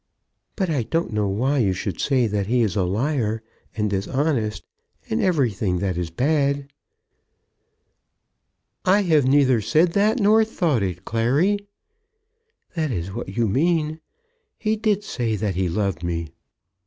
"But I don't know why you should say that he is a liar, and dishonest, and everything that is bad." "I have neither said that, nor thought it, Clary." "That is what you mean. He did say that he loved me."